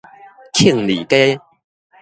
慶利街